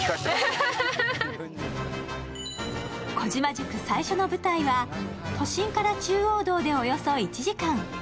児嶋塾最初の舞台は都心から中央道でおよそ１時間。